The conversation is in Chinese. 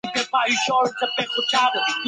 另外三位分别为赵少昂。